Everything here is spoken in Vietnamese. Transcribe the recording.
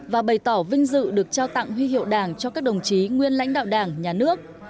và bày tỏ vinh dự được trao tặng huy hiệu đảng cho các đồng chí nguyên lãnh đạo đảng nhà nước